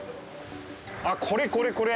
あっ、これこれこれ！